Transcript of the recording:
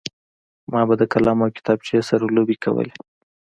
ما به د قلم او کتابچې سره لوبې کولې